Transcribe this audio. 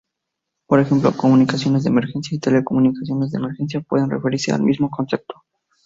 Por ejemplo, comunicaciones de emergencia y telecomunicaciones de emergencia puede referirse al mismo concepto.